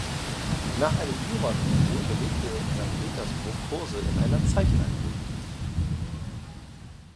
Nach einem Jurastudium belegte er in Sankt Petersburg Kurse in einer Zeichenakademie.